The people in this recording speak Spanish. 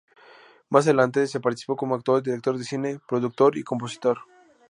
Más adelante se participó como actor, director de cine, productor y compositor.